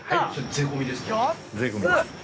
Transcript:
税込みです。